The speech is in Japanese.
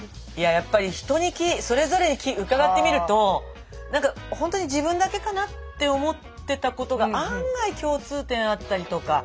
やっぱり人にそれぞれに伺ってみるとなんかほんとに自分だけかな？って思ってたことが案外共通点あったりとか。